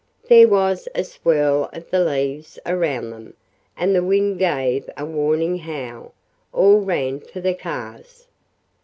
There was a swirl of the leaves around them, and the wind gave a warning howl. All ran for the cars.